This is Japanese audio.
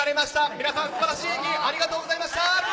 皆さん、素晴らしい演技ありがとうございました！